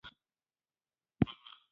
يو بل ته مالوم يو.